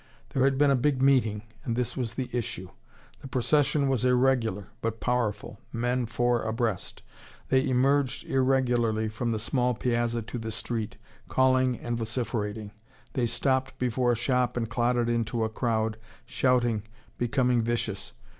There had been a big meeting, and this was the issue. The procession was irregular, but powerful, men four abreast. They emerged irregularly from the small piazza to the street, calling and vociferating. They stopped before a shop and clotted into a crowd, shouting, becoming vicious.